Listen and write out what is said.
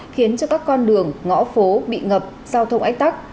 khiến cho các con đường ngõ phố bị ngập giao thông ách tắc